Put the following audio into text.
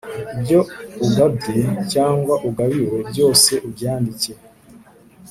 ibyo ugabye cyangwa ugabiwe, byose ubyandike.